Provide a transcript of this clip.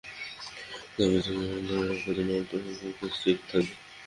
তবে ভেতরে কিছু অংশ ধরে রাখার জন্য অল্প সংখ্যক স্টিল থাকবে।